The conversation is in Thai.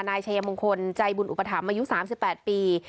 นายเฉยมงคลใจบุญอุปถัมภ์มายุสามสิบแปดปี